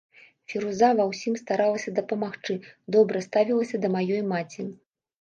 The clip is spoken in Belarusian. Фіруза ва ўсім старалася дапамагчы, добра ставілася да маёй маці.